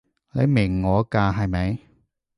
你明我㗎係咪？